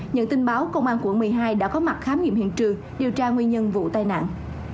nhận tin báo công an quận một mươi hai đã có mặt khám nghiệm hiện trường điều tra nguyên nhân vụ tai nạn